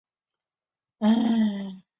四川的多山地区损失最严重。